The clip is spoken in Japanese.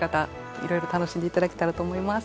いろいろ楽しんで頂けたらと思います。